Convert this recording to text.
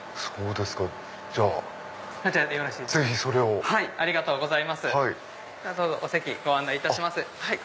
どうぞお席ご案内いたします。